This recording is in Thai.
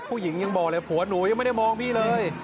ผู้หญิงยังบอกเลยผัวหนูยังไม่ได้มองพี่เลย